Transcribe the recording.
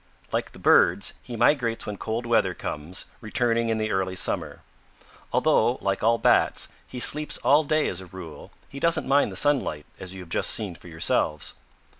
Like the birds, he migrates when cold weather comes, returning in the early summer. Although, like all Bats, he sleeps all day as a rule, he doesn't mind the sunlight, as you have just seen for yourselves.